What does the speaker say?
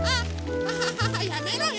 アハハハやめろよ！